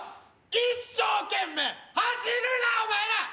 一生懸命走るなお前ら！